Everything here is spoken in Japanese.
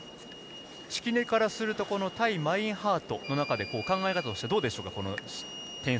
敷根からすると、対マインハートの中で考え方としてどうでしょうか？